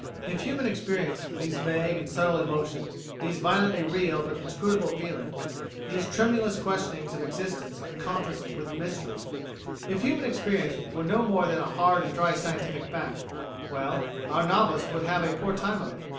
If human experience these vague and subtle emotions, these violently real but inscrutable feelings, these tremulous questionings of existence encompassed with mystery if human experience were no more than a hard and dry scientific fact, well, our novelists would have a poor time of it.